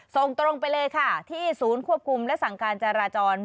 ส่งตรงไปเลยค่ะที่ศูนย์ควบคุมและสั่งการจราจร